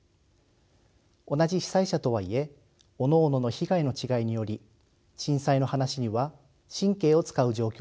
同じ被災者とはいえおのおのの被害の違いにより震災の話には神経を遣う状況でした。